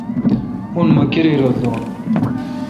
آں ۔۔۔مہ کیرای رل دون